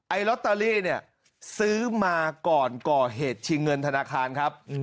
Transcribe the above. ลอตเตอรี่เนี่ยซื้อมาก่อนก่อเหตุชิงเงินธนาคารครับ